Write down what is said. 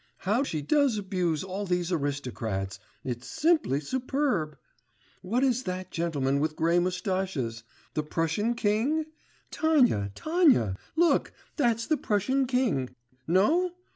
How she does abuse all these aristocrats it's simply superb! What is that gentleman with grey moustaches? The Prussian king? Tanya, Tanya, look, that's the Prussian king. No?